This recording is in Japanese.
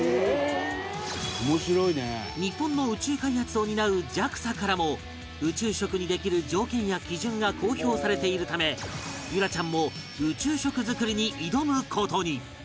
日本の宇宙開発を担う ＪＡＸＡ からも宇宙食にできる条件や基準が公表されているため結桜ちゃんも宇宙食作りに挑む事に